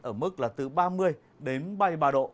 ở mức là từ ba mươi đến ba mươi ba độ